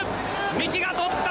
三木が捕った！